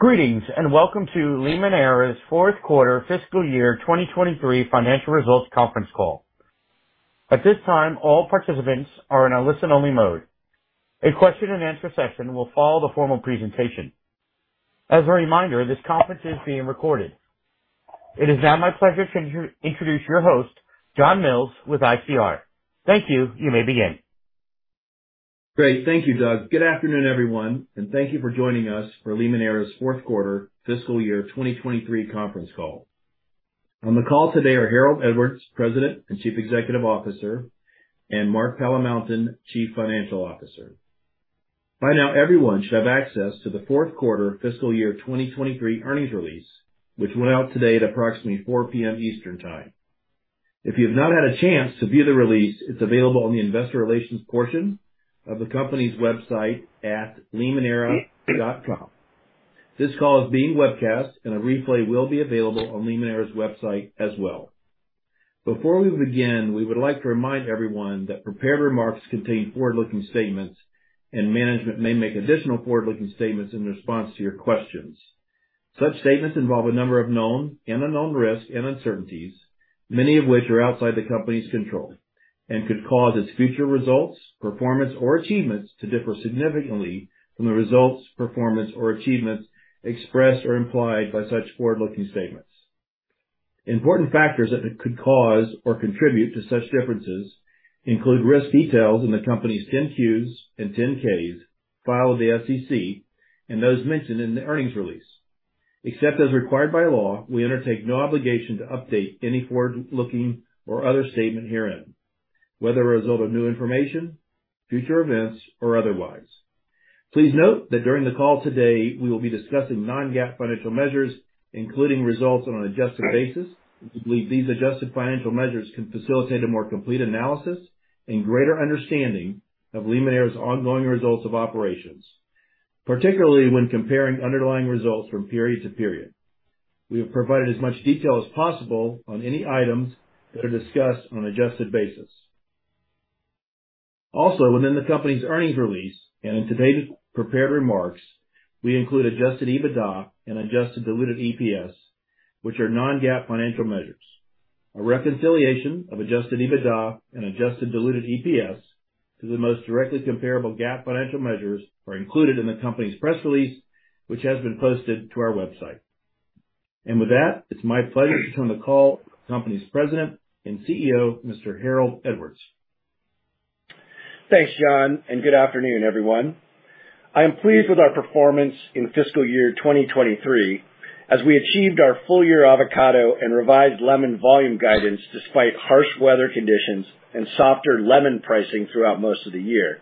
Greetings, and welcome to Limoneira's Fourth Quarter Fiscal Year 2023 Financial Results Conference Call. At this time, all participants are in a listen-only mode. A question and answer session will follow the formal presentation. As a reminder, this conference is being recorded. It is now my pleasure to introduce your host, John Mills, with ICR. Thank you. You may begin. Great. Thank you, Doug. Good afternoon, everyone, and thank you for joining us for Limoneira's fourth quarter fiscal year 2023 conference call. On the call today are Harold Edwards, President and Chief Executive Officer, and Mark Palamountain, Chief Financial Officer. By now, everyone should have access to the fourth quarter fiscal year 2023 earnings release, which went out today at approximately 4 P.M. Eastern Time. If you have not had a chance to view the release, it's available on the investor relations portion of the company's website at limoneira.com. This call is being webcast, and a replay will be available on Limoneira's website as well. Before we begin, we would like to remind everyone that prepared remarks contain forward-looking statements, and management may make additional forward-looking statements in response to your questions. Such statements involve a number of known and unknown risks and uncertainties, many of which are outside the company's control, and could cause its future results, performance, or achievements to differ significantly from the results, performance or achievements expressed or implied by such forward-looking statements. Important factors that could cause or contribute to such differences include risk details in the company's 10-Qs and 10-Ks filed with the SEC and those mentioned in the earnings release. Except as required by law, we undertake no obligation to update any forward-looking or other statement herein, whether a result of new information, future events, or otherwise. Please note that during the call today, we will be discussing non-GAAP financial measures, including results on an adjusted basis. We believe these adjusted financial measures can facilitate a more complete analysis and greater understanding of Limoneira's ongoing results of operations, particularly when comparing underlying results from period to period. We have provided as much detail as possible on any items that are discussed on an adjusted basis. Also, within the company's earnings release and in today's prepared remarks, we include adjusted EBITDA and adjusted Diluted EPS, which are non-GAAP financial measures. A reconciliation of adjusted EBITDA and adjusted Diluted EPS to the most directly comparable GAAP financial measures are included in the company's press release, which has been posted to our website. With that, it's my pleasure to turn the call to the company's President and CEO, Mr. Harold Edwards. Thanks, John, and good afternoon everyone. I am pleased with our performance in fiscal year 2023, as we achieved our full year avocado and revised lemon volume guidance despite harsh weather conditions and softer lemon pricing throughout most of the year.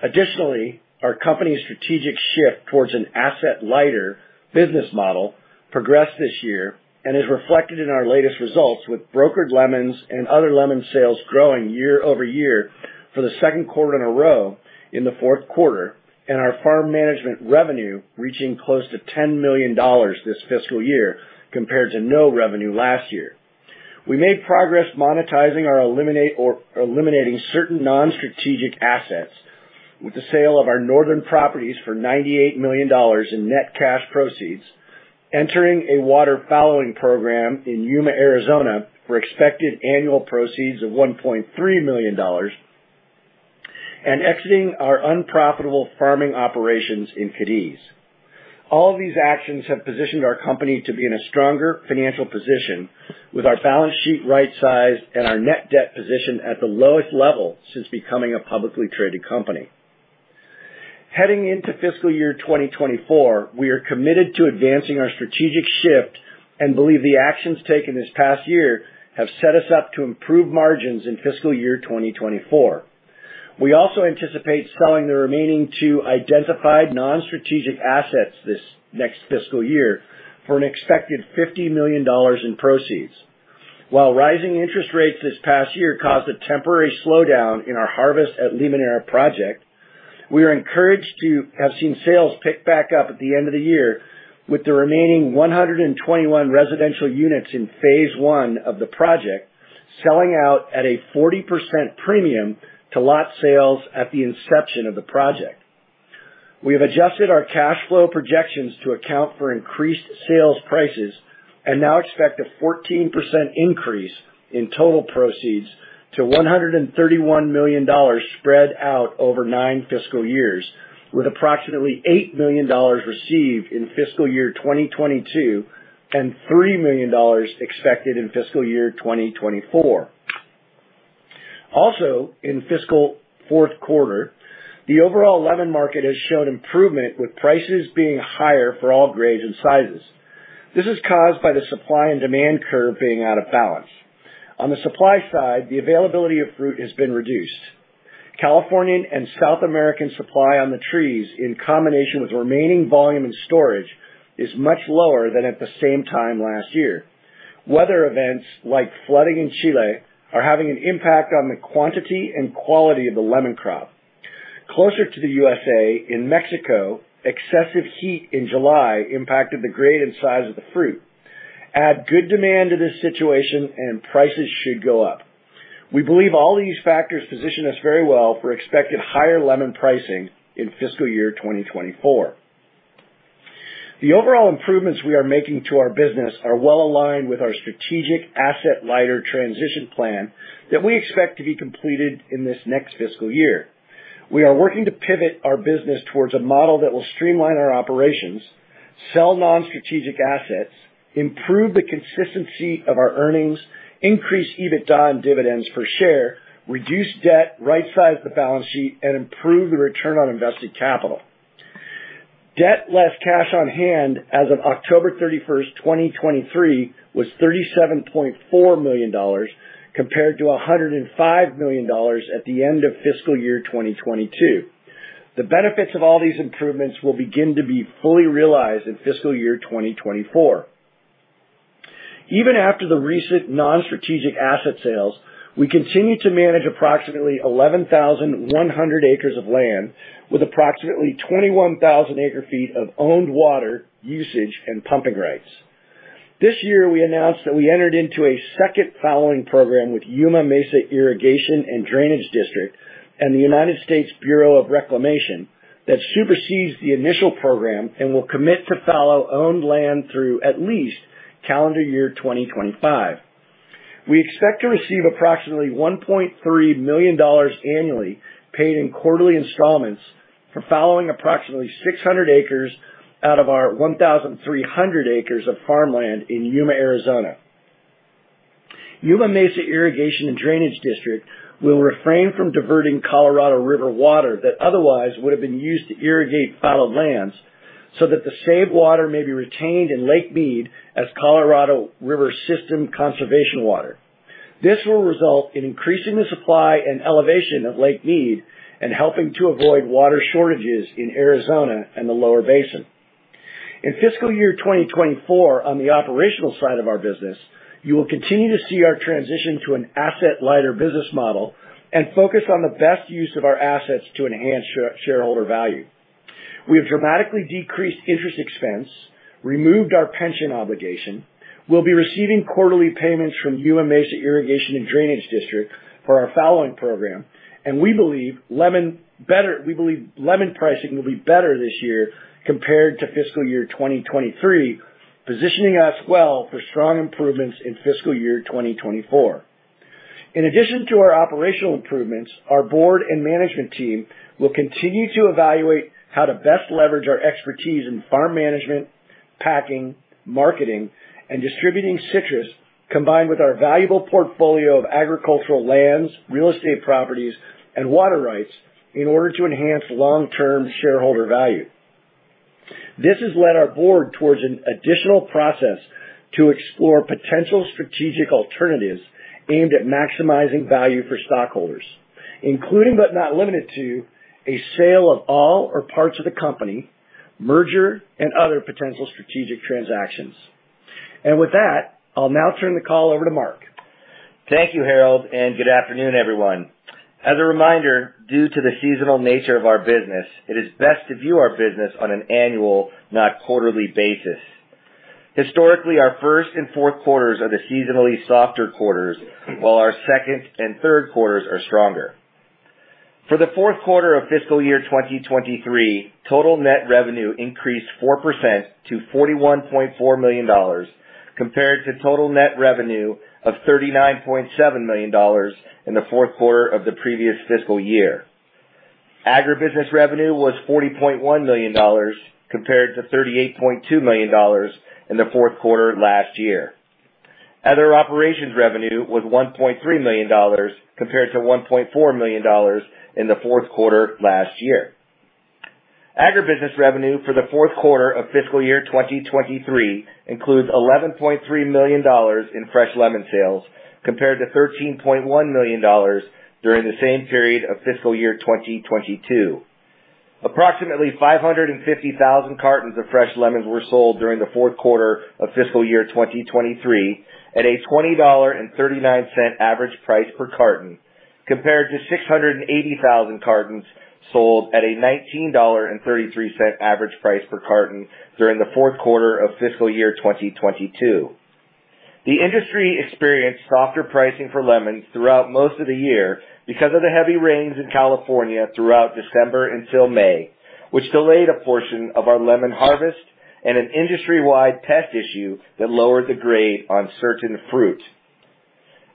Additionally, our company's strategic shift towards an asset-lighter business model progressed this year and is reflected in our latest results with brokered lemons and other lemon sales growing year-over-year for the second quarter in a row in the fourth quarter, and our farm management revenue reaching close to $10 million this fiscal year compared to no revenue last year. We made progress monetizing or eliminating certain non-strategic assets with the sale of our Northern Properties for $98 million in net cash proceeds, entering a water fallowing program in Yuma, Arizona, for expected annual proceeds of $1.3 million, and exiting our unprofitable farming operations in Cadiz. All these actions have positioned our company to be in a stronger financial position with our balance sheet right-sized and our net debt position at the lowest level since becoming a publicly traded company. Heading into fiscal year 2024, we are committed to advancing our strategic shift and believe the actions taken this past year have set us up to improve margins in fiscal year 2024. We also anticipate selling the remaining two identified non-strategic assets this next fiscal year for an expected $50 million in proceeds. While rising interest rates this past year caused a temporary slowdown in our Harvest at Limoneira project, we are encouraged to have seen sales pick back up at the end of the year, with the remaining 121 residential units in Phase I of the project selling out at a 40% premium to lot sales at the inception of the project. We have adjusted our cash flow projections to account for increased sales prices and now expect a 14% increase in total proceeds to $131 million spread out over nine fiscal years, with approximately $8 million received in fiscal year 2022 and $3 million expected in fiscal year 2024. Also, in fiscal fourth quarter, the overall lemon market has showed improvement, with prices being higher for all grades and sizes. This is caused by the supply and demand curve being out of balance. On the supply side, the availability of fruit has been reduced. Californian and South American supply on the trees, in combination with remaining volume and storage, is much lower than at the same time last year. Weather events like flooding in Chile are having an impact on the quantity and quality of the lemon crop. Closer to the USA, in Mexico, excessive heat in July impacted the grade and size of the fruit. Add good demand to this situation and prices should go up. We believe all these factors position us very well for expected higher lemon pricing in fiscal year 2024. The overall improvements we are making to our business are well aligned with our strategic asset lighter transition plan that we expect to be completed in this next fiscal year. We are working to pivot our business towards a model that will streamline our operations, sell non-strategic assets, improve the consistency of our earnings, increase EBITDA and dividends per share, reduce debt, right size the balance sheet, and improve the return on invested capital. Debt less cash on hand as of October 31, 2023, was $37.4 million, compared to $105 million at the end of fiscal year 2022. The benefits of all these improvements will begin to be fully realized in fiscal year 2024. Even after the recent non-strategic asset sales, we continue to manage approximately 11,100 acres of land, with approximately 21,000 acre feet of owned water usage and pumping rights. This year, we announced that we entered into a second fallowing program with Yuma Mesa Irrigation and Drainage District and the United States Bureau of Reclamation that supersedes the initial program and will commit to fallow owned land through at least calendar year 2025. We expect to receive approximately $1.3 million annually, paid in quarterly installments for fallowing approximately 600 acres out of our 1,300 acres of farmland in Yuma, Arizona. Yuma Mesa Irrigation and Drainage District will refrain from diverting Colorado River water that otherwise would have been used to irrigate fallowed lands, so that the saved water may be retained in Lake Mead as Colorado River system conservation water. This will result in increasing the supply and elevation of Lake Mead and helping to avoid water shortages in Arizona and the lower basin. In fiscal year 2024, on the operational side of our business, you will continue to see our transition to an asset lighter business model and focus on the best use of our assets to enhance shareholder value. We have dramatically decreased interest expense, removed our pension obligation. We'll be receiving quarterly payments from Yuma Mesa Irrigation and Drainage District for our fallowing program, and we believe lemon pricing will be better this year compared to fiscal year 2023, positioning us well for strong improvements in fiscal year 2024. In addition to our operational improvements, our board and management team will continue to evaluate how to best leverage our expertise in farm management, packing, marketing, and distributing citrus, combined with our valuable portfolio of agricultural lands, real estate properties, and water rights in order to enhance long-term shareholder value. This has led our board towards an additional process to explore potential strategic alternatives aimed at maximizing value for stockholders, including, but not limited to, a sale of all or parts of the company, merger, and other potential strategic transactions. With that, I'll now turn the call over to Mark. Thank you, Harold, and good afternoon everyone. As a reminder, due to the seasonal nature of our business, it is best to view our business on an annual, not quarterly basis. Historically, our first and fourth quarters are the seasonally softer quarters, while our second and third quarters are stronger. For the fourth quarter of fiscal year 2023, total net revenue increased 4% to $41.4 million, compared to total net revenue of $39.7 million in the fourth quarter of the previous fiscal year. Agribusiness revenue was $40.1 million, compared to $38.2 million in the fourth quarter last year. Other operations revenue was $1.3 million, compared to $1.4 million in the fourth quarter last year. Agribusiness revenue for the fourth quarter of fiscal year 2023 includes $11.3 million in fresh lemon sales, compared to $13.1 million during the same period of fiscal year 2022. Approximately 550,000 cartons of fresh lemons were sold during the fourth quarter of fiscal year 2023, at a $20.39 average price per carton, compared to 680,000 cartons sold at a $19.33 average price per carton during the fourth quarter of fiscal year 2022. The industry experienced softer pricing for lemons throughout most of the year because of the heavy rains in California throughout December until May, which delayed a portion of our lemon harvest and an industry-wide pest issue that lowered the grade on certain fruit.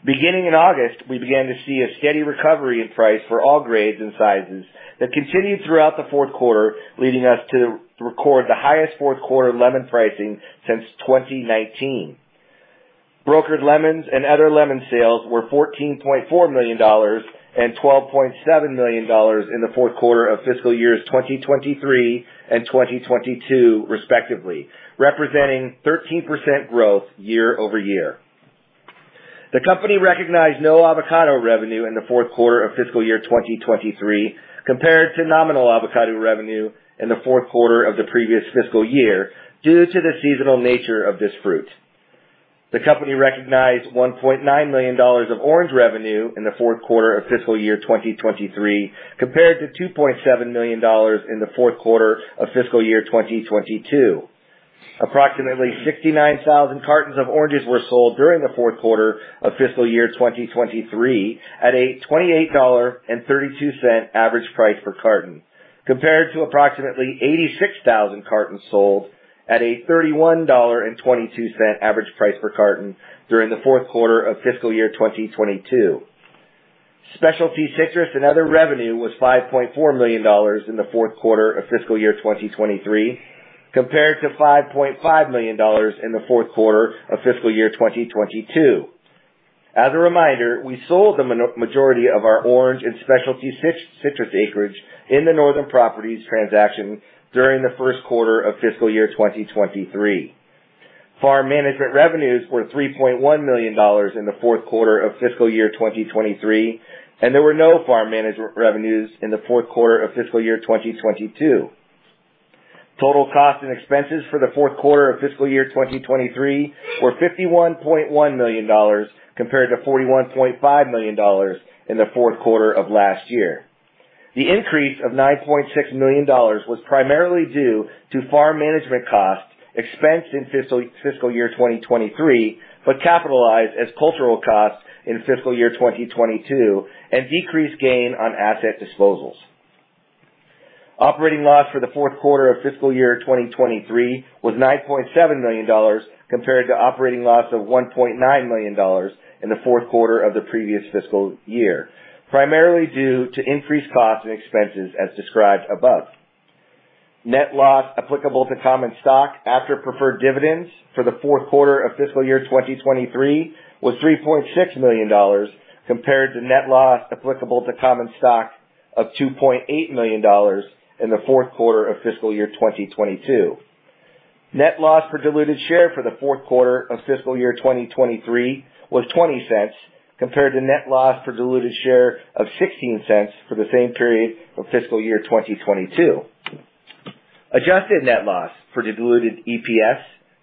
Beginning in August, we began to see a steady recovery in price for all grades and sizes that continued throughout the fourth quarter, leading us to record the highest fourth quarter lemon pricing since 2019. Brokered lemons and other lemon sales were $14.4 million and $12.7 million in the fourth quarter of fiscal years 2023 and 2022, respectively, representing 13% growth year-over-year. The company recognized no avocado revenue in the fourth quarter of fiscal year 2023, compared to nominal avocado revenue in the fourth quarter of the previous fiscal year, due to the seasonal nature of this fruit. The company recognized $1.9 million of orange revenue in the fourth quarter of fiscal year 2023, compared to $2.7 million in the fourth quarter of fiscal year 2022. Approximately 69,000 cartons of oranges were sold during the fourth quarter of fiscal year 2023, at a $28.32 average price per carton, compared to approximately 86,000 cartons sold at a $31.22 average price per carton during the fourth quarter of fiscal year 2022. Specialty citrus and other revenue was $5.4 million in the fourth quarter of fiscal year 2023, compared to $5.5 million in the fourth quarter of fiscal year 2022. As a reminder, we sold the majority of our orange and specialty citrus acreage in the Northern Properties transaction during the first quarter of fiscal year 2023. Farm management revenues were $3.1 million in the fourth quarter of fiscal year 2023, and there were no farm management revenues in the fourth quarter of fiscal year 2022. Total costs and expenses for the fourth quarter of fiscal year 2023 were $51.1 million, compared to $41.5 million in the fourth quarter of last year. The increase of $9.6 million was primarily due to farm management costs, expense in fiscal year 2023, but capitalized as cultural costs in fiscal year 2022 and decreased gain on asset disposals. Operating loss for the fourth quarter of fiscal year 2023 was $9.7 million, compared to operating loss of $1.9 million in the fourth quarter of the previous fiscal year, primarily due to increased costs and expenses as described above. Net loss applicable to common stock after preferred dividends for the fourth quarter of fiscal year 2023 was $3.6 million, compared to net loss applicable to common stock of $2.8 million in the fourth quarter of fiscal year 2022. Net loss per diluted share for the fourth quarter of fiscal year 2023 was $0.20, compared to net loss per diluted share of $0.16 for the same period for fiscal year 2022. Adjusted net loss per diluted EPS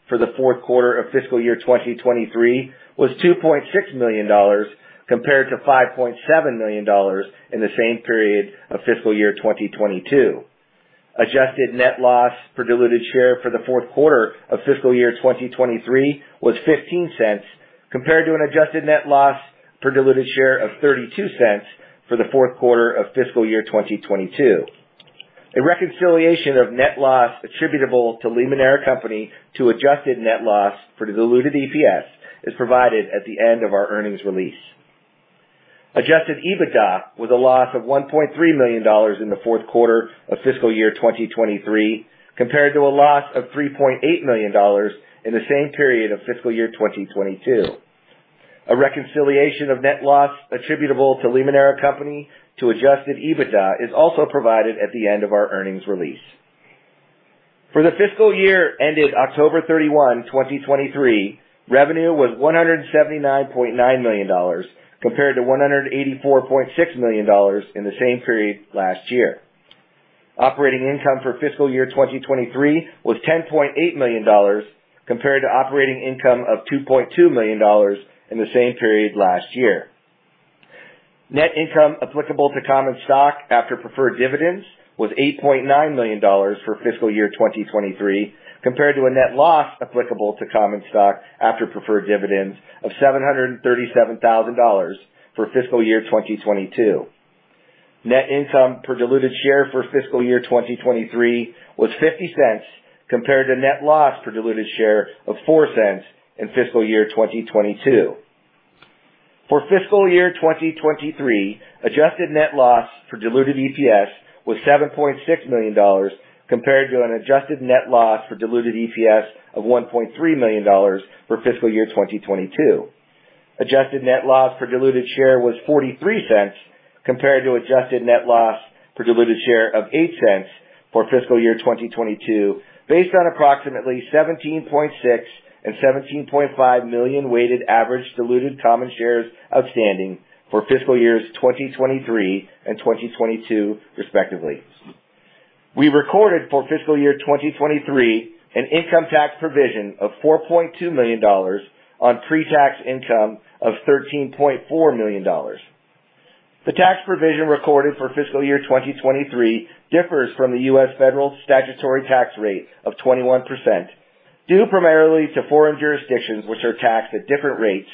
for the fourth quarter of fiscal year 2023 was $2.6 million, compared to $5.7 million in the same period of fiscal year 2022. Adjusted net loss per diluted share for the fourth quarter of fiscal year 2023 was $0.15, compared to an adjusted net loss per diluted share of $0.32 for the fourth quarter of fiscal year 2022. A reconciliation of net loss attributable to Limoneira Company to adjusted net loss per diluted EPS is provided at the end of our earnings release. Adjusted EBITDA was a loss of $1.3 million in the fourth quarter of fiscal year 2023, compared to a loss of $3.8 million in the same period of fiscal year 2022. A reconciliation of net loss attributable to Limoneira Company to adjusted EBITDA is also provided at the end of our earnings release. For the fiscal year ended October 31, 2023, revenue was $179.9 million, compared to $184.6 million in the same period last year. Operating income for fiscal year 2023 was $10.8 million, compared to operating income of $2.2 million in the same period last year. Net income applicable to common stock after preferred dividends was $8.9 million for fiscal year 2023, compared to a net loss applicable to common stock after preferred dividends of $737,000 for fiscal year 2022. Net income per diluted share for fiscal year 2023 was $0.50, compared to net loss per diluted share of $0.04 in fiscal year 2022. For fiscal year 2023, adjusted net loss per diluted EPS was $7.6 million, compared to an adjusted net loss per diluted EPS of $1.3 million for fiscal year 2022. Adjusted net loss per diluted share was $0.43, compared to adjusted net loss per diluted share of $0.08 for fiscal year 2022, based on approximately 17.6 million and 17.5 million weighted average diluted common shares outstanding for fiscal years 2023 and 2022, respectively. We recorded for fiscal year 2023, an income tax provision of $4.2 million on pre-tax income of $13.4 million. The tax provision recorded for fiscal year 2023 differs from the U.S. federal statutory tax rate of 21%, due primarily to foreign jurisdictions, which are taxed at different rates,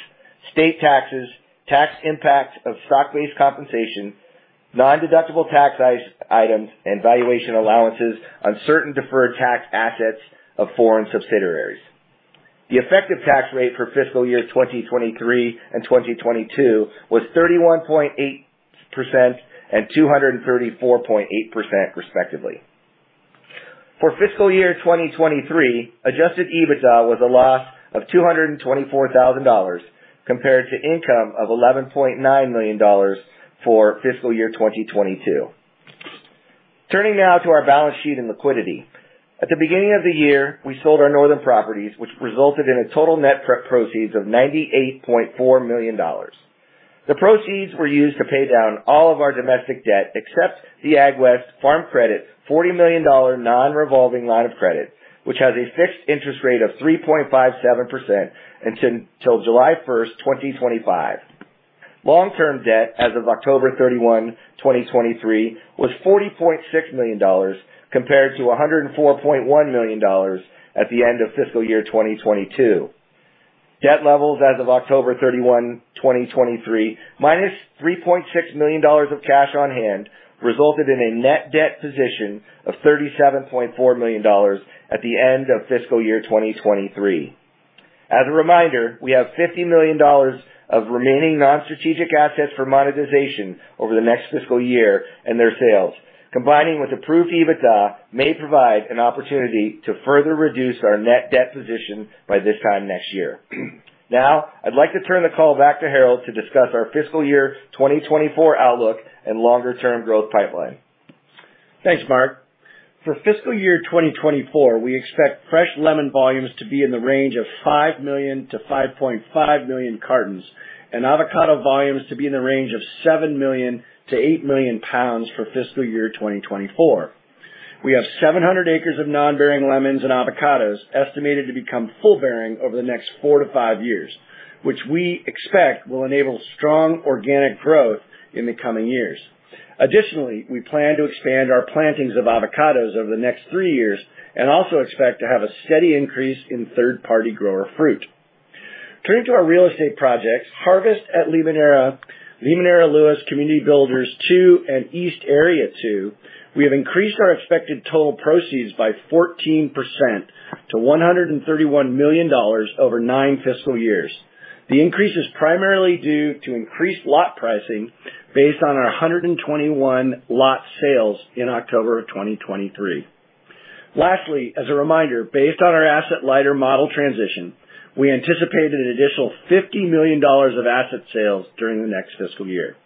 state taxes, tax impacts of stock-based compensation, nondeductible tax items, and valuation allowances on certain deferred tax assets of foreign subsidiaries. The effective tax rate for fiscal year 2023 and 2022 was 31.8% and 234.8%, respectively. For fiscal year 2023, adjusted EBITDA was a loss of $224,000, compared to income of $11.9 million for fiscal year 2022. Turning now to our balance sheet and liquidity. At the beginning of the year, we sold our Northern Properties, which resulted in a total net proceeds of $98.4 million. The proceeds were used to pay down all of our domestic debt, except the AgWest Farm Credit $40 million non-revolving line of credit, which has a fixed interest rate of 3.57% until July 1, 2025. Long-term debt as of October 31, 2023, was $40.6 million compared to $104.1 million at the end of fiscal year 2022. Debt levels as of October 31, 2023, minus $3.6 million of cash on hand, resulted in a net debt position of $37.4 million at the end of fiscal year 2023. As a reminder, we have $50 million of remaining non-strategic assets for monetization over the next fiscal year, and their sales, combining with approved EBITDA, may provide an opportunity to further reduce our net debt position by this time next year. Now, I'd like to turn the call back to Harold to discuss our fiscal year 2024 outlook and longer term growth pipeline. Thanks, Mark. For fiscal year 2024, we expect fresh lemon volumes to be in the range of 5 million-5.5 million cartons, and avocado volumes to be in the range of 7 million-8 million pounds for fiscal year 2024. We have 700 acres of non-bearing lemons and avocados, estimated to become full bearing over the next four-five years, which we expect will enable strong organic growth in the coming years. Additionally, we plan to expand our plantings of avocados over the next three years and also expect to have a steady increase in third-party grower fruit. Turning to our real estate projects, Harvest at Limoneira, Limoneira Lewis Community Builders II, and East Area II, we have increased our expected total proceeds by 14% to $131 million over nine fiscal years. The increase is primarily due to increased lot pricing based on our 121 lot sales in October 2023. Lastly, as a reminder, based on our asset lighter model transition, we anticipate an additional $50 million of asset sales during the next fiscal year.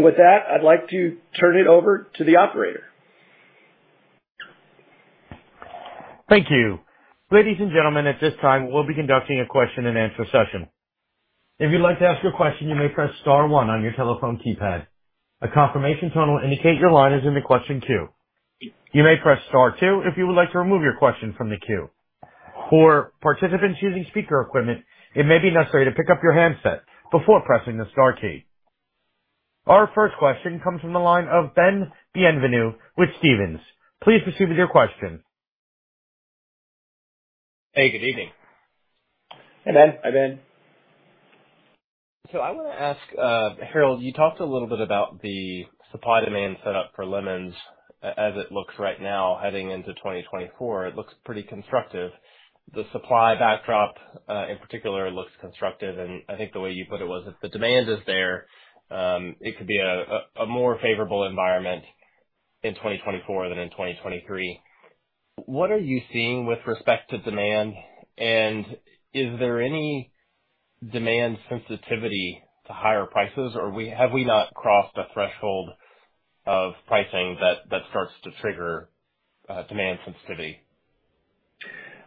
With that, I'd like to turn it over to the operator. Thank you. Ladies and gentlemen, at this time, we'll be conducting a question and answer session. If you'd like to ask a question, you may press star one on your telephone keypad. A confirmation tone will indicate your line is in the question queue. You may press star two if you would like to remove your question from the queue. For participants using speaker equipment, it may be necessary to pick up your handset before pressing the star key. Our first question comes from the line of Ben Bienvenu with Stephens. Please proceed with your question. Hey, good evening. Hey, Ben. Hi, Ben. So I want to ask, Harold, you talked a little bit about the supply-demand setup for lemons. As it looks right now, heading into 2024, it looks pretty constructive. The supply backdrop, in particular, looks constructive, and I think the way you put it was, if the demand is there, it could be a more favorable environment in 2024 than in 2023. What are you seeing with respect to demand? And is there any demand sensitivity to higher prices, or have we not crossed a threshold of pricing that starts to trigger demand sensitivity?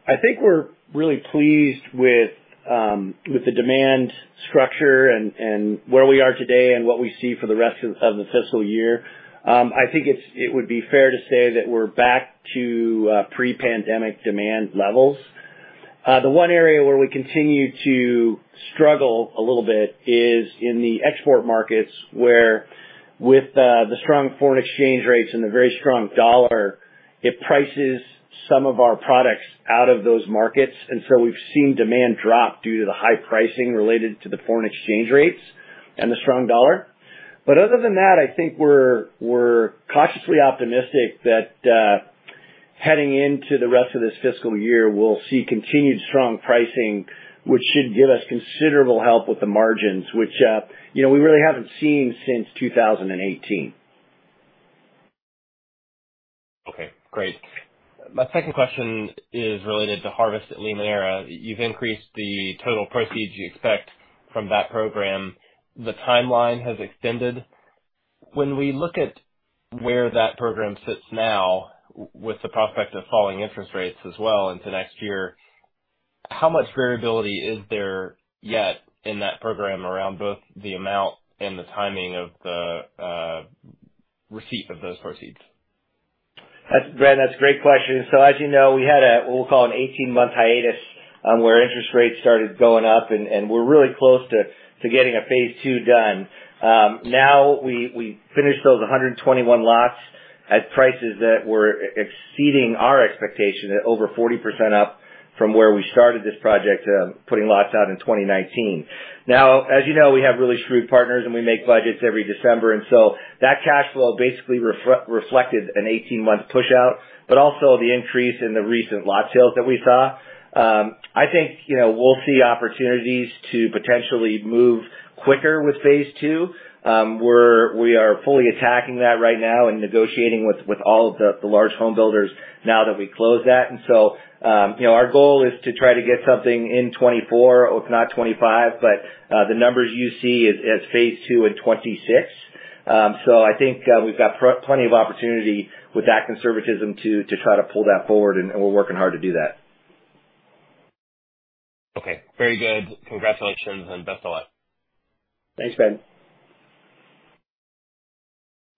I think we're really pleased with the demand structure and where we are today and what we see for the rest of the fiscal year. I think it would be fair to say that we're back to pre-pandemic demand levels. The one area where we continue to struggle a little bit is in the export markets, where, with the strong foreign exchange rates and the very strong dollar, it prices some of our products out of those markets, and so we've seen demand drop due to the high pricing related to the foreign exchange rates and the strong dollar. But other than that, I think we're cautiously optimistic that heading into the rest of this fiscal year, we'll see continued strong pricing, which should give us considerable help with the margins, which, you know, we really haven't seen since 2018. Okay, great. My second question is related to Harvest at Limoneira. You've increased the total proceeds you expect from that program. The timeline has extended. When we look at where that program sits now, with the prospect of falling interest rates as well into next year, how much variability is there yet in that program around both the amount and the timing of the receipt of those proceeds? That's Ben, that's a great question. So as you know, we had a, what we'll call an 18-month hiatus, where interest rates started going up, and we're really close to getting a Phase II done. Now we finished those 121 lots at prices that were exceeding our expectation, at over 40% up from where we started this project, putting lots out in 2019. Now, as you know, we have really strong partners, and we make budgets every December, and so that cash flow basically reflected an 18-month pushout, but also the increase in the recent lot sales that we saw. I think, you know, we'll see opportunities to potentially move quicker with Phase II. We are fully attacking that right now and negotiating with all of the large homebuilders now that we closed that. And so, you know, our goal is to try to get something in 2024, if not 2025, but the numbers you see as, as Phase II in 2026. So I think we've got plenty of opportunity with that conservatism to try to pull that forward, and we're working hard to do that. Okay, very good. Congratulations and best of luck. Thanks, Ben.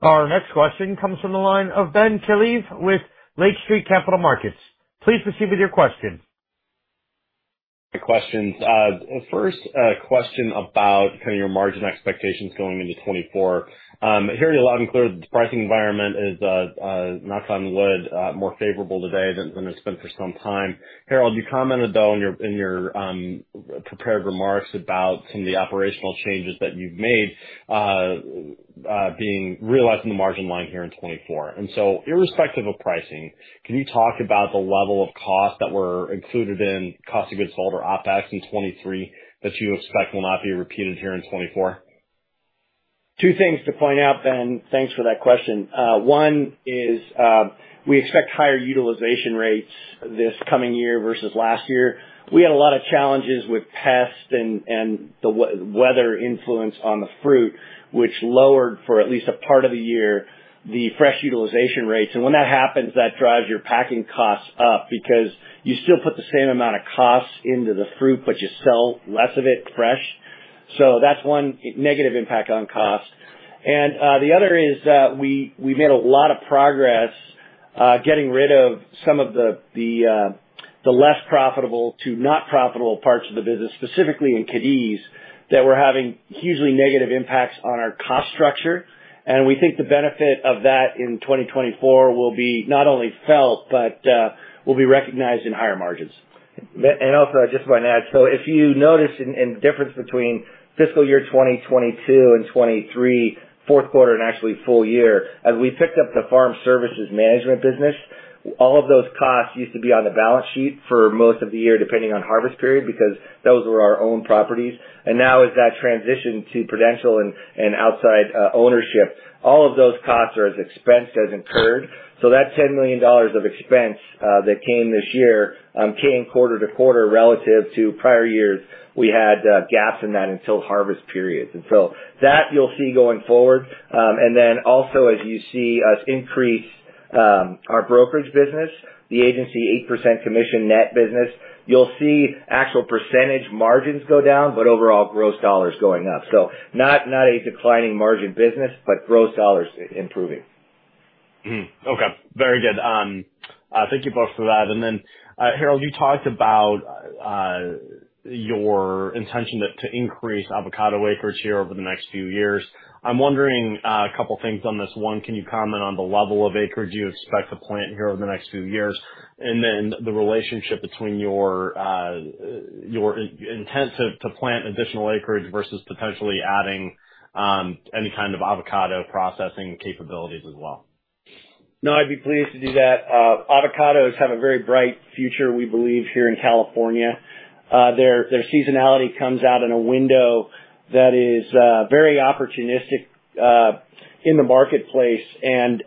Our next question comes from the line of Ben Klieve with Lake Street Capital Markets. Please proceed with your question. Questions. First, a question about kind of your margin expectations going into 2024. Hearing a lot and clear the pricing environment is, knock on wood, more favorable today than it's been for some time. Harold, you commented though in your prepared remarks about some of the operational changes that you've made, being realized in the margin line here in 2024. And so irrespective of pricing, can you talk about the level of costs that were included in cost of goods sold or OpEx in 2023 that you expect will not be repeated here in 2024? Two things to point out, Ben. Thanks for that question. One is, we expect higher utilization rates this coming year versus last year. We had a lot of challenges with pest and the weather influence on the fruit, which lowered, for at least a part of the year, the fresh utilization rates. And when that happens, that drives your packing costs up because you still put the same amount of costs into the fruit, but you sell less of it fresh. So that's one negative impact on cost. The other is, we made a lot of progress getting rid of some of the less profitable to not profitable parts of the business, specifically in Cadiz, that were having hugely negative impacts on our cost structure. We think the benefit of that in 2024 will be not only felt but will be recognized in higher margins. Also, I just want to add, so if you notice in the difference between fiscal year 2022 and 2023, fourth quarter and actually full year, as we picked up the farm management services business, all of those costs used to be on the balance sheet for most of the year, depending on harvest period, because those were our own properties. And now as that transition to Prudential and outside ownership, all of those costs are expensed as incurred. So that $10 million of expense that came this year came quarter to quarter relative to prior years. We had gaps in that until harvest periods. And so that you'll see going forward. And then also as you see us increase our brokerage business, the agency 8% commission net business, you'll see actual percentage margins go down, but overall gross dollars going up. So not, not a declining margin business, but gross dollars improving. Mm-hmm. Okay, very good. Thank you both for that. And then, Harold, you talked about your intention to increase avocado acreage here over the next few years. I'm wondering a couple of things on this. One, can you comment on the level of acreage you expect to plant here over the next few years, and then the relationship between your intent to plant additional acreage versus potentially adding any kind of avocado processing capabilities as well? No, I'd be pleased to do that. Avocados have a very bright future, we believe, here in California. Their seasonality comes out in a window that is very opportunistic in the marketplace and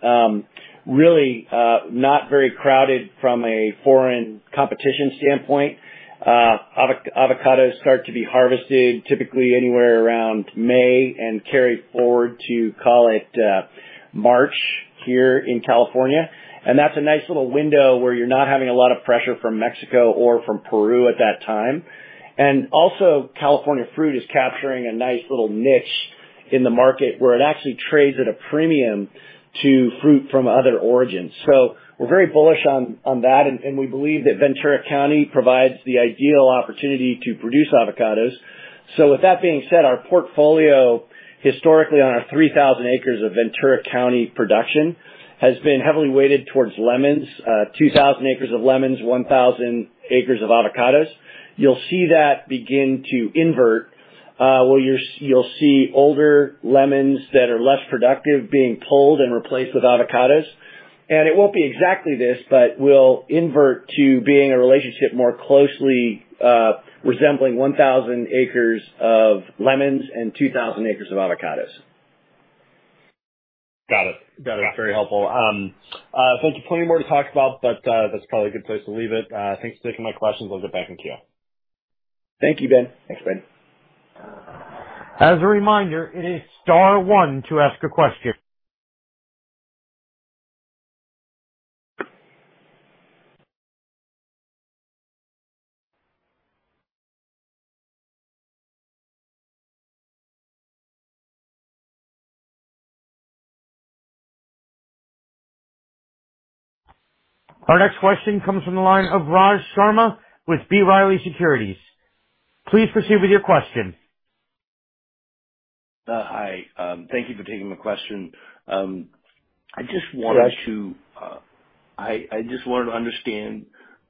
really not very crowded from a foreign competition standpoint. Avocados start to be harvested typically anywhere around May and carry forward to, call it, March here in California. And that's a nice little window where you're not having a lot of pressure from Mexico or from Peru at that time. And also, California fruit is capturing a nice little niche in the market where it actually trades at a premium to fruit from other origins. So we're very bullish on that, and we believe that Ventura County provides the ideal opportunity to produce avocados. So with that being said, our portfolio, historically on our 3,000 acres of Ventura County production, has been heavily weighted towards lemons. 2,000 acres of lemons, 1,000 acres of avocados. You'll see that begin to invert, where you'll see older lemons that are less productive being pulled and replaced with avocados. It won't be exactly this, but will invert to being a relationship more closely resembling 1,000 acres of lemons and 2,000 acres of avocados. Got it. Got it. Yeah. Very helpful. So plenty more to talk about, but that's probably a good place to leave it. Thanks for taking my questions. I'll get back in queue. Thank you, Ben. Thanks, Ben. As a reminder, it is star one to ask a question. Our next question comes from the line of Raj Sharma with B. Riley Securities. Please proceed with your question. Hi. Thank you for taking my question. I just wanted to understand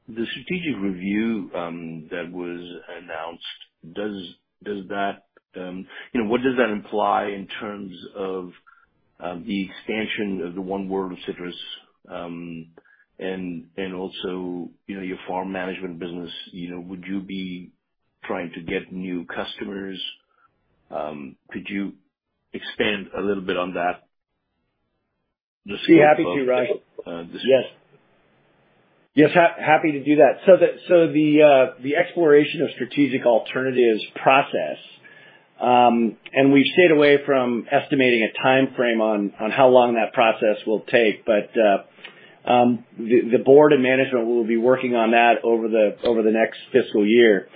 the strategic review that was announced. Does that. You know, what does that imply in terms of the expansion of the One World of Citrus? And also, you know, your farm management business. You know, would you be trying to get new customers? Could you expand a little bit on that? Be happy to, Raj. Yes, happy to do that. So the exploration of strategic alternatives process, and we've stayed away from estimating a timeframe on how long that process will take. But the board and management will be working on that over the next fiscal year.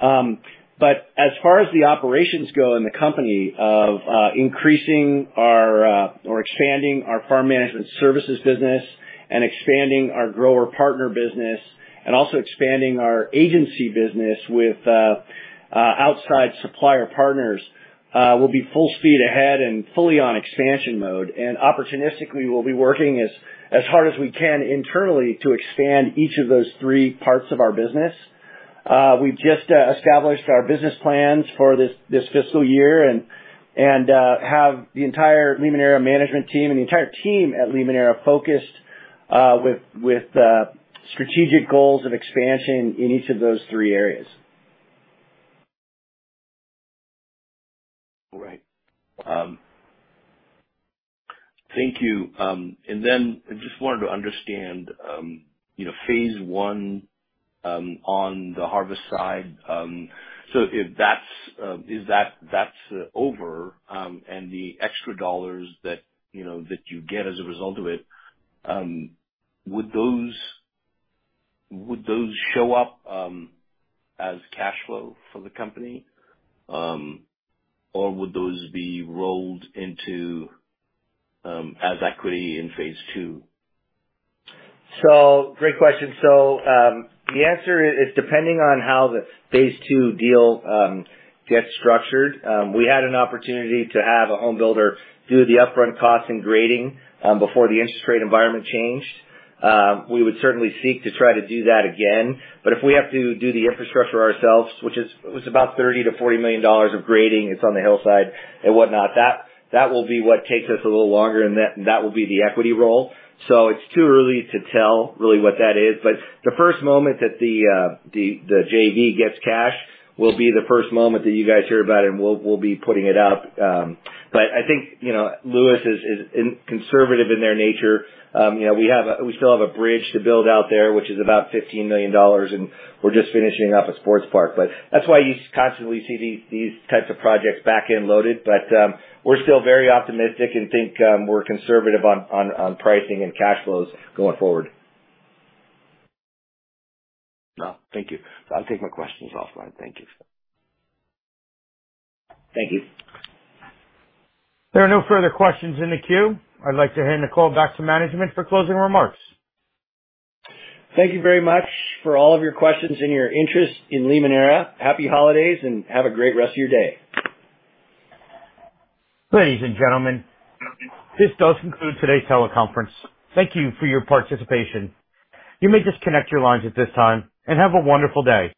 But as far as the operations go in the company of increasing our or expanding our farm management services business and expanding our grower partner business, and also expanding our agency business with outside supplier partners, we'll be full speed ahead and fully on expansion mode. And opportunistically, we'll be working as hard as we can internally to expand each of those three parts of our business. We've just established our business plans for this fiscal year and have the entire Limoneira management team and the entire team at Limoneira focused with strategic goals of expansion in each of those three areas. All right. Thank you. And then I just wanted to understand, you know, Phase I, on the harvest side, so if that's, is that, that's over, and the extra dollars that, you know, that you get as a result of it, would those, would those show up, as cash flow for the company? Or would those be rolled into, as equity in Phase II? So great question. So, the answer is, is depending on how the Phase II deal gets structured. We had an opportunity to have a home builder do the upfront cost and grading, before the interest rate environment changed. We would certainly seek to try to do that again, but if we have to do the infrastructure ourselves, which is, was about $30 million-$40 million of grading, it's on the hillside and whatnot, that, that will be what takes us a little longer, and that, that will be the equity role. So it's too early to tell really what that is. But the first moment that the, the, the JV gets cash will be the first moment that you guys hear about it, and we'll, we'll be putting it out. But I think, you know, Lewis is inherently conservative in their nature. You know, we have a—we still have a bridge to build out there, which is about $15 million, and we're just finishing up a sports park. But that's why you constantly see these types of projects back-end loaded. But we're still very optimistic and think we're conservative on pricing and cash flows going forward. Well, thank you. I'll take my questions offline. Thank you. Thank you. There are no further questions in the queue. I'd like to hand the call back to management for closing remarks. Thank you very much for all of your questions and your interest in Limoneira. Happy holidays, and have a great rest of your day. Ladies and gentlemen, this does conclude today's teleconference. Thank you for your participation. You may disconnect your lines at this time, and have a wonderful day.